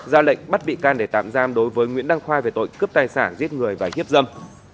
ra lệnh bắt bị can để tạm giam đối với nguyễn đăng khoa về tội cướp tài sản giết người và hiếp dâm